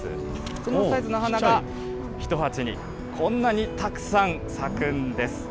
そのサイズの花が、１鉢にこんなにたくさん咲くんです。